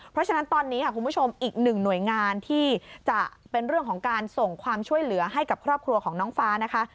เพราะฉะนั้นตอนนี้ค่ะคุณผู้ชมอีกหนึ่งหน่วยงานที่จะเป็นเรื่องของการส่งความช่วยเหลือให้กับครอบครัวของน้องฟ้านะคะ